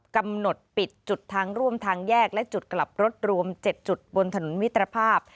กำหนดปิดจุดทางร่วมทางแยกและจุดกลับรถรวม๗จุดบนถนนมิตรภาพ